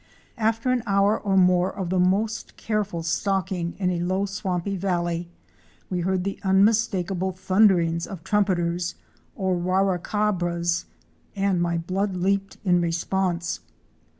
After an hour or more of the most careful stalking in a low swampy valley, we heard the unmistakable thunderings of Trumpeters * or Warracabras, and my blood leaped in response.